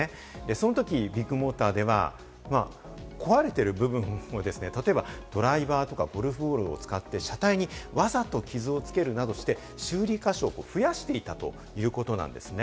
その時、ビッグモーターでは壊れている部分、例えばドライバーとかゴルフボールを使って車体にわざと傷をつけるなどして修理か所を増やしていたということなんですね。